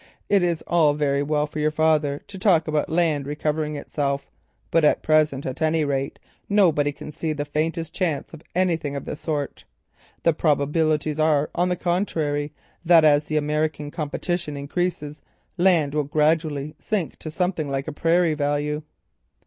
It is all very well for your father to talk about land recovering itself, but at present, at any rate, nobody can see the faintest chance of anything of the sort. The probabilities are, on the contrary, that as the American competition increases, land will gradually sink to something like a prairie value."